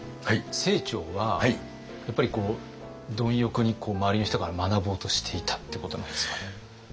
清張はやっぱり貪欲に周りの人から学ぼうとしていたってことなんですかね？